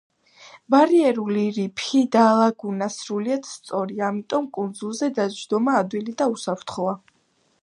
ბარიერული რიფი და ლაგუნა სრულიად სწორია, ამიტომ კუნძულზე დაჯდომა ადვილი და უსაფრთხოა.